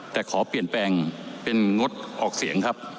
แต่ขอเปลี่ยนแปลงเป็นงดออกเสียงครับ